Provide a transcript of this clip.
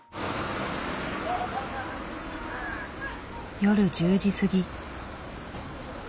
夜１０時過ぎ。